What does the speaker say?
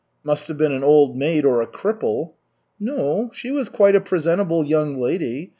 "Must have been an old maid or a cripple." "No, she was quite a presentable young lady.